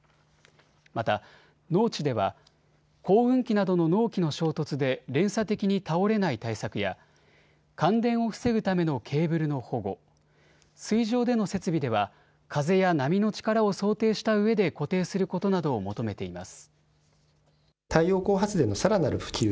また農地では耕うん機などの農機の衝突で連鎖的に倒れない対策や感電を防ぐためのケーブルの保護水上での設備では風や波の力を想定した上で固定することなどを求めています。